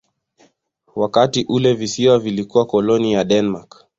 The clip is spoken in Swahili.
Wakati ule visiwa vilikuwa koloni ya Denmark.